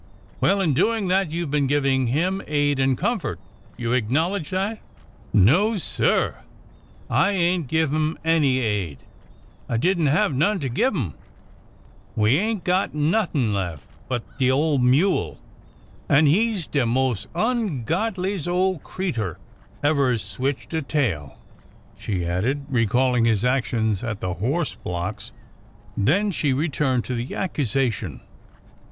Well, in doing that you have been giving him aid and comfort. You acknowledge that? " No, sir! I ain't give 'im any aid. I did n' have none to give 'im. We ain't got nothin' lef but de ole mule — an' he is de mos' ongodlies' ole creetur' ever switched a THE PROVOST MARSHAL 323 tail !'' she added, recalling his actions at the horse blocks. Then she returned to the accusation.